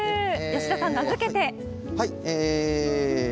吉田さん、名付けて？